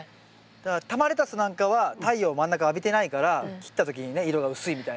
だから玉レタスなんかは太陽真ん中浴びてないから切った時にね色が薄いみたいな。